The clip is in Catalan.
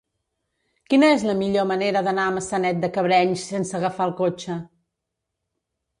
Quina és la millor manera d'anar a Maçanet de Cabrenys sense agafar el cotxe?